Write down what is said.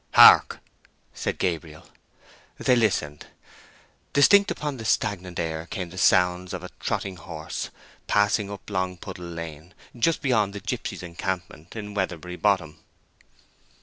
"Hark!" said Gabriel. They listened. Distinct upon the stagnant air came the sounds of a trotting horse passing up Longpuddle Lane—just beyond the gipsies' encampment in Weatherbury Bottom.